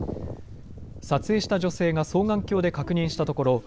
撮影した女性が双眼鏡で確認したところ